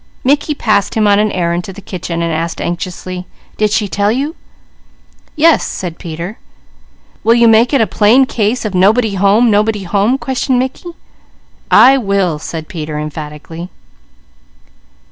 Mickey passed him on an errand to the kitchen and asked anxiously: "Did she tell you?" "Yes," said Peter. "Will you make it a plain case of 'nobody home! nobody home?'" questioned Mickey. "I will!" said Peter emphatically.